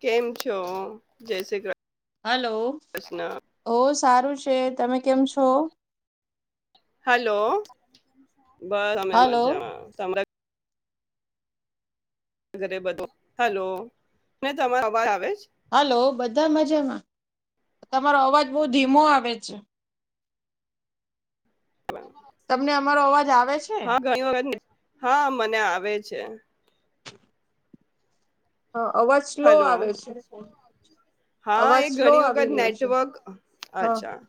કેમ છો? જય શ્રીકૃષ્ણ હલો, ઓ સારું છે. તમે કેમ છો? હલો! બસ અમે હલો મજામાં. ઘરે બધું હેલો!, તમારો અવાજ આવે હાલો. બધા મજામાં. તમારો અવાજ બહ ધીમો આવે છે. બ [inaudible] તમને અમારો અવાજ આવે છે? હા. ઘણી વગર ને [unintelligible] હા, મને આવે છે. હા. અવાજ સ્લો હલો આવે છે. હા અવાજ એ સ્લો ઘણી વખત આવી રહ્યો છે. નેટવર્ક હા. અચ્છા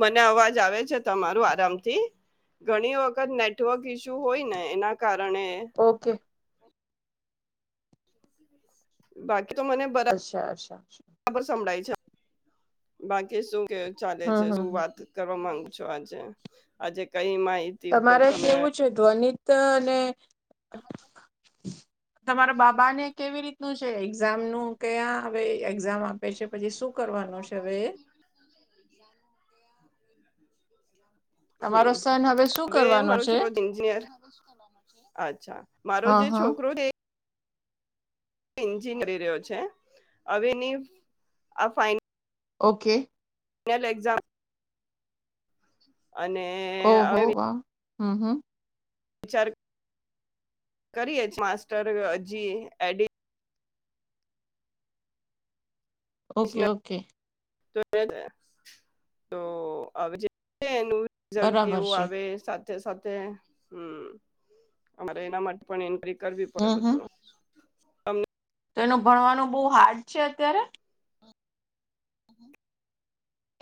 મને અવાજ આવે છે તમારું આરામથી. ઘણી વખત નેટવર્ક ઈસ્યુ હોય ને, એના કારણે ત્રણે ઓકે બાકી [unintelligible] તો, મને બરા અચ્છા અચ્છા બરાબર સંભળાય છે. બાકી શું? કે ચાલે છે. હમ હમ શું હમ વાત કરવા માંગ આજે આજે કઈ મા તમારે કેવું છે, ધ્વનિ તો ને [inaudible] તમારો બાબાને કેવી રીતનું છે, એક્ઝામનું કે આ હવે એ એક્ઝામ આપે છે, પછી શું. શું, કરવાનો છે, હવે એ. [inaudible] તમારો હમ સન શું હવે કરવાનો મારો છે? છોકરો એન્જિનયર અચ્છા મારો હા જે હા છોકરો છે [unintelligible] કરી રહ્યો છે, હવેની આ ફન ઓકે. [unintelligible] એક્ઝામ. અને ઓહો હવે વાહ હમ હમ. વિચાર કરીએ છે, માસ્ટર હજી એડિટ ઓકે એડિશનલ ઓકે. [unintelligible] તો આવે જે છે, એનું રિઝલ્ટ બરાબર કેવું છે આવે, સ સાથે સાથે હમ્મ અમારે એના માટે પણ એન્ટ્રી કરવી પડે હમ હમ બધાનો. અમે તો એનું ભણવાનું બો હાર્ડ છે, અત્યારે.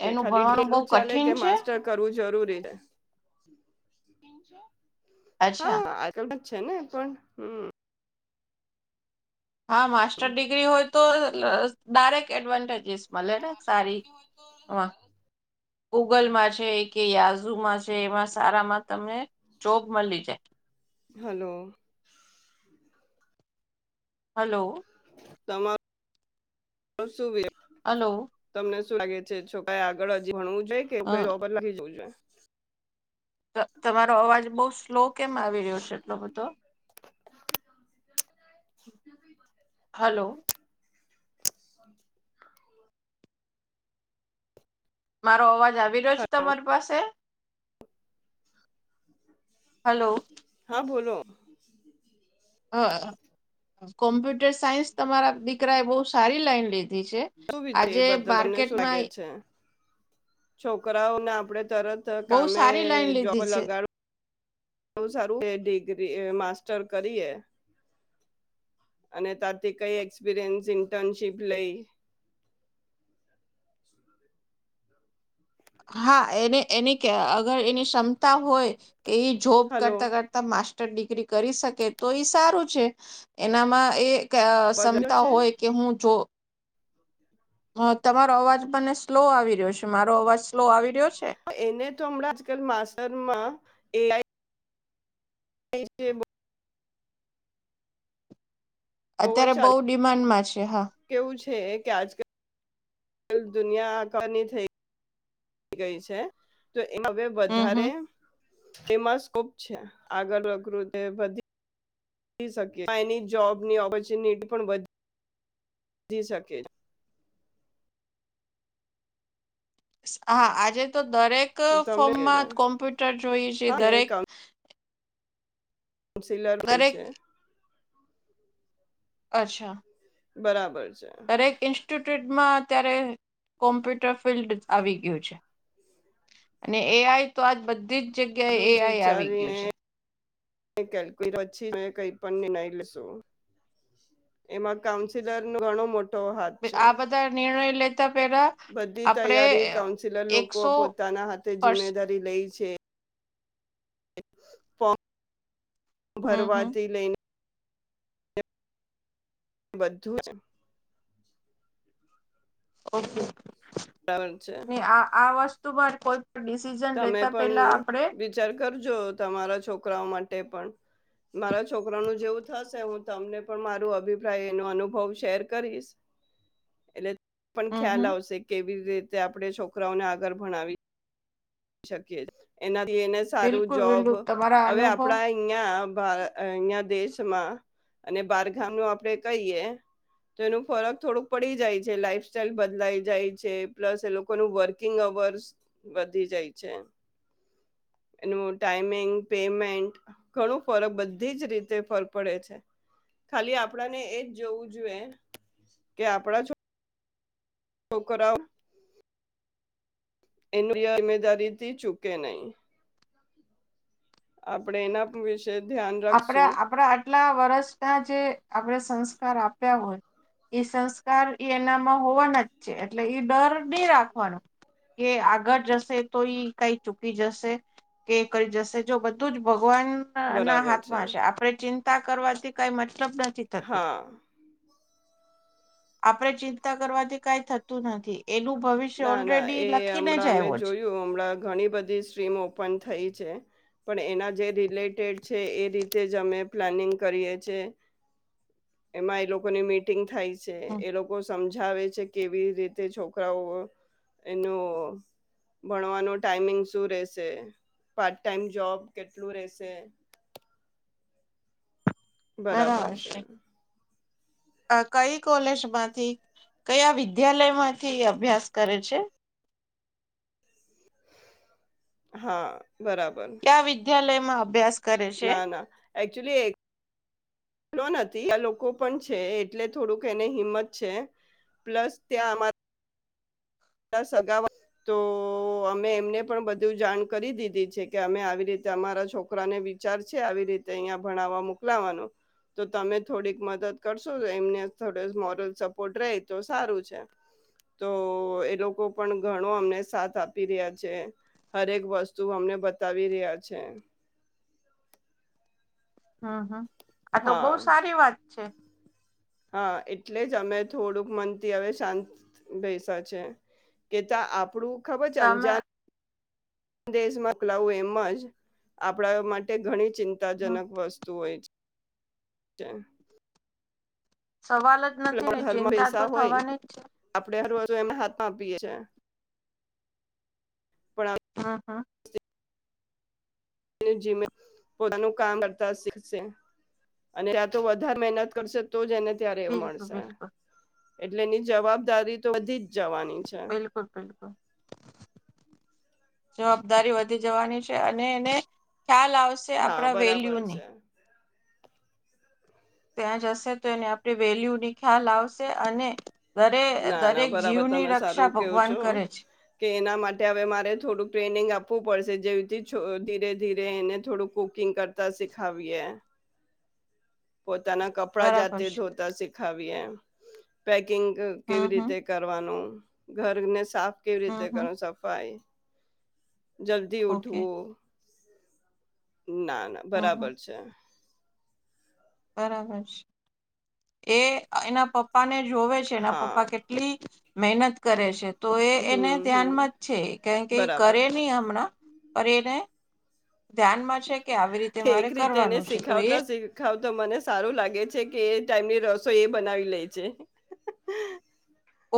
તે એનું ખાલી ભણવાનું [unintelligible] જ બહુ ચાલે કે કઠિન છે માસ્ટર કરવું જરૂર. [inaudible] અચ્છા હા આજકાલ છે ને પણ હમ. હા માસ્ટર ડિગ્રી હોય તો લો ડાયરેક્ટ એડવાન્ટેજ. [unintelligible] મળે ને સારી હ ગૂગલમાં છે, કે યાઝુમાં છે, એમાં સારામાં તમે જોબ મળી જાય. હલો. હલો. તમાર સુું હલો. શું લાગે છે, છોકરા આગળ હજી ભણવું જો જોઈએ કે અ એવું કંઈ [unintelligible] જોઈએ. તા તમારો અવાજ બો સ્લો કેમ આવી રહ્યો છે, એટલો બધો. [inaudible] હલો. [inaudible] મારો અવાજ આવી રહ્યો છ હલો તમારી પાસે? હલો. હા બોલો. હ કોમ્પ્યુટર સાયન્સ તમારા દીકરા એ બહુ સારી લાઈન લીધી. ઘી છે શું વિ એ આજે બદલ તમને શું માર્કેટમાં લાગે છે? છોકરાઓને આપડે તરત બહુ કામે સારી લાઈન લીધી જોબે છે. લગાડવું બવ સારું કે ડિગ્રી માસ્ટર કરીએ અને ત્યાંથી કઇ એક્સપિરિયન્સ ઇન્ટર્નશીપ લઈ. હા એને એની કે અગર એની ક્ષમતા હોય. કએ જોબ હલો કરતાં-કરતાં માસ્ટ ડિગ્રી કરી શકે તો એ સારું છે એનામાં એ અવાજ આવ્યો ક્ષમતા છે? હોય કે હું જો હ તમારો અવાજ મને સ્લો આવી રહ્યો છે મારો અવાજ તો આવી રહ્યો છે? એને તો હમણાં આજકાલ માસ્ટરમાં એ આઈ એ છે બ જ અત્યારે બહુ ચાલે ડિમાન્ડમાં છે હા. કેવું છે કે આજકાલ દુનિયા આખાની થઈ ગઈ છે. હવે હમ વધારે હમ એમાં સ્કોપ છે આગળ પ્રકૃતિ વધી શકે એની જોબની ઓપોર્ચુનિટી પણ વધી વધી શકે. હા આજે તો દરેક તમને ફોર્મમાં કોમ્પ્યુટર જોઈએ છે. દરેક કાઉન્સિલર થઈ દરેક છે. અચ્છા. બરાબર છે. દરેક ઇન્સ્ટિટ્યુટમાં અત્યારે કોમ્પ્યુટર ફિલ્ડ આવી ગયું છે અને એઆઈ તો આજ બધી જ જગ્યાએ બધું એ જ આઈ આવી ગયું છે. વિચારીને પછી કઈ પણ નિર્ણય લેશુ એમાં કાઉન્સિલર નો ઘણો મોટો હાથ છે. આ બધા નિર્ણય લેતા પેલા બધી આપણે તૈયારી કાઉન્સિલર લોકો એકસો પોતાના હાથે પર્સ જિમ્મેદારી લઈ છે. ફમ હમ હમ ભરવાથી લઈને બધું જ ઓકે. બરાબર છે ને આ આ વસ્તુ ત ભ કોઈ પણ ડિસિઝન તમે લેતા પણ પેલા આપણે વિચાર કરજો તમારા છોકરાઓ માટે પણ મારા છોકરા નું જેવું થશે હું તમને પણ મારું અભિપ્રાય, એનો અનુભવ શેર કરીશ એટલે પણ હમ ખ્યાલ હમ આવશે કેવી રીતે આપણે છોકરાઓને આગળ ભણાવી શકી એના ને સારું બિલકુલ જોબ બિલકુલ તમારા હવે અનુભવ આપડા અહીંયા અહયા દેશમાં અને બારગામ ન આપણે કહીએ, તો એનું ફરક થોડુંક પડી જાય છે, લાઈફ સ્ટાઈલ બદલાઈ જાય છે, પ્લસ એ લોકોનું વર્કિંગ અવર્સ વધી જાય છે, એનું ટાઈમિંગ, પેમેન્ટ, ઘણું ફરક બધી જ રીતે ફરક પડે છે, ખાલી આપડાને એજ જોવું જોઈએ કે આપડા છો છોકરાવ એનું ઈમાનદારીથી ચૂકે નહી આપણેે એના વિશે ધ્યાન આપણા રાખશું આપણા આટલા વર્ષના જે આપણે સંસ આપ્યા હોય એ સંસ્કાર એ એનામાં હોવાના જ છે એટલે ડર બે રાખવાનો. કે આગળ જશે તો ઈ કઈ ચૂકી જશે કે કરી જશે, જો બધું જ ભગ ભગવાનના ના હાથ હાથમા છે આપણે ચિંત ચિંતા કરવાથી કઈ મતલ મતલબ નથી થતો. હા આપડે ચિંતા કરવાથી કઈ થતું નથી. એનું ભવિષ્ય ના ના ઓલરેડી એ લખીને હમણાં જ અમે આવ્યો છે જોયું હમણાં ઘણી બધી સ્ટ્રીમ ઓપન થઈ છે. પણ એના જે રિલેટેડ છે એ રીતે જ અમે પ્લાનિંગ કરીએ છીએ એમાં એ લોકોની મીટિંગ થઇ. છે હમ, એ લોકો સમજ સમજાવે છે કેવી રીતે છોકરાઓ એનો ભણવાનો ટાઈમિંગ શું રેશે પાર્ટ ટાઈમ જોબ કેટલું રેશે? બરાબર છે. આ કઈ કોલેજમાંથી, કયા વિદ્યાલયમાંથી અભ્યાસ કરે છે? હા. બરાબર ક્યા વિદ્યાલય માં અભ્યાસ કરે છે ના ના એક્ચુલી એક લો નથી આ લોકો પણ છે, એટલે થોડુંક એને હિંમત છે, પ્લસ ત્યાં અરા સગાવ્હાલા તો અમે એમને પણ બધું જાણ કરી દીધી છે કે અમે આવી રીતે અમારા છોકરાને વિચાર છે આવી રીતે અહીંયા ભણાવવા મોકલાવાનું તો તમે થોડીક મદદ કરશો. એમને થોડ મોરલ સપોર્ટ રહે તો સારું છે તો એ લોકો પણ ઘણો અમને સાથ આપી રહ્યા છે હરેક વસ્તુ અમને બતાવી રહ્યા છે. હા હા. આ તો બહુ હા સારી વાત. [unintelligible] હા એટલે જ અમે થોડુંક મનથી હવે શાંત બેસા છે કે ત્યા આપણું. ખબર તમે જાનજાન દેશમાંલાવું એમજ આપણા માટે ઘણી હમ ચિંતાજનક વસ્તુ હોય છે. છે એમ. સવાલ જ નથી ને ઘરમાં ચિંતા તો થવાની જ છે. તો એને હાથમાં આપીએ છે. પણ હા હા. પોતાનું કામ કરતા શીખશે અને ત્યા તો વધારે મહેનત કરશે તો જ ને. અત્યારે એવું બિલકુલ મળશે. બિલકુલ એટલે એની જવાબદારી તો બધી જ જવાની છે બિલકુલ બિલકુલ. જવાબદારી વધી જવાની છે અને એને ખ્યાલ આવશે હા આપણા બરાબર વેલ્યુને છે. ત્યાં જશે તો એને આપણે વેલ્યુની ખ્યાલ આવશે અને ના ના દરેક બરાબર જીવની તમે રક્ષા સારું કેવો ભગવાન છો કરે છે. કે એના માટે હવે મારે થોડું ટ્રેનિંગ આપવું પડશે જેવીથી ધીરે ધીરે એને થોડું કુકિંગ કરતા શીખાવએ. પોતાના કપડા બરાબર જતે છે ધોતા સ ખા એ પેક પેકિંગ હમ કેવી હમ રીતે કરવાનું ઘરને સાફ કેવી હમ રીતે હમ કરો સફાઈ. જલ્દી ઓકે ઉઠવું. ના ના હમ હમ બરાબર છે. બરાબર છે એ એના પપ્પા ને. જોવે છે એના હા પપ્પા કેટલી. મહેનત કરે છે. તો એ એને હમ હમ ધ્યાનમાં જ છે કારણ કે એ બરાબર કરે નહી હમણાં. પર એને. ધ્યાનમાં છે કે આવી રીતે એક મારે રીતે એને કરવાનું છે તો એ શીખાવતા શીખાવતા મને સારું લાગે છે કે ટાઈમની રસોઈ એ બનાવી લે છે.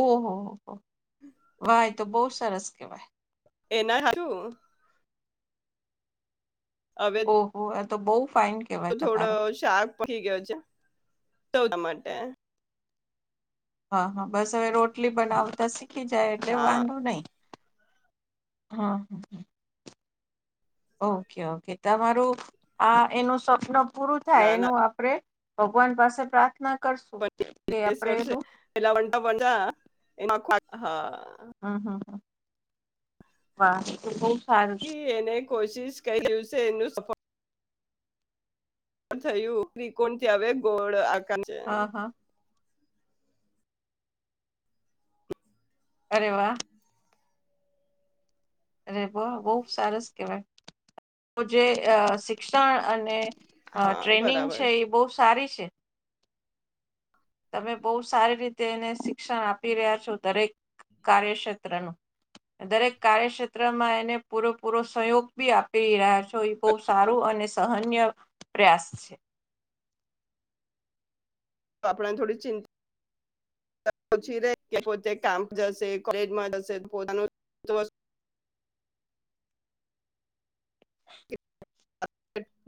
ઓહ હો. વાહ એ તો બહુ સ સરસ કહેવાય. એના હાથનું આવે ઓહો! આ તો બહુ ફાઇન કહેવાય થોડો તમારું. શાક પડી ગયો છે. તો એના માટે હા હા બસ હવે રો રોટલી બનાવતા શીખી જાય એટલે હા વાંધો નહી. હા હ. ઓકે ઓકે તમારું આ એનું સ્વપન પૂરું થાય ના ના એનું આપડે ભગવાન પાસે પ્રાર્થના કરશું કે આપણે એનું [unintelligible] હા. વા બહુ સારું છે. એને કોશિશ ક્યુ છે એનું સફળ થયું ત્રિકોણ થી આવે ગોળ કરે છે હા, હા. અરે વાહ. અરે વા બહુ સરસ કેહેવાય. તો જે અ શિક્ષણ અને અ હા ટ્રેનિંગ બરાબર છે એ બહુ સારી છે. તમે બહુ સારી રીતે એને શિક્ષણ આપી રહ્યા છો. દરેક કાર્યક્ષેત્રનું દરેક કાર્યક્ષેત્રમાં એને પૂરેપૂરો સહયોગ બી આપી રહ્યા છો. તો એ બહુ સારું અને સહન નીય પ્રયાસ છે. આપણાને થોડી ચિંતા ઓછી રે કે પોતે કામે જશે કોલેજમાં જશે પોતાનું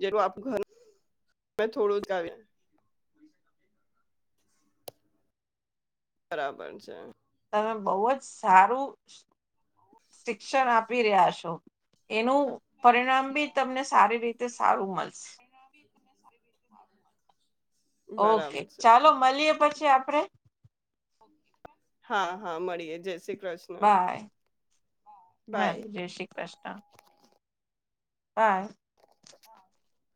જ આપું ઘર થોડું જ આવે બરાબર છે. તમે બહુ જ સારું શિક્ષણ આપી રહ્યા છો. એનું પરિણામ બી તમને સારી રીતે સારું મળશે. [inaudible] ઓકે બરાબર છે ચાલો મળીએ પછી આ પડે. હા હા મળીએ જે સી બાય બાય. જય શ્રી કૃષ્ણ. [unintelligible] [unintelligible]